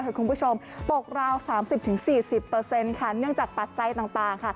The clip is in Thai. ตกราว๓๐๔๐เนื่องจากปัจจัยต่าง